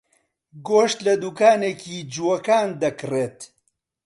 گۆشت لە دوکانێکی جووەکان دەکڕێت.